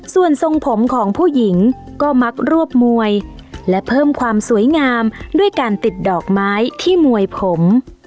ส่วนทรงผมของผู้หญิงก็มักรวบมวยและเพิ่มความสวยงามด้วยการติดดอกไม้ที่มวยผม